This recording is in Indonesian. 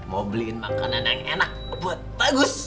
mau beliin makanan yang enak buat bagus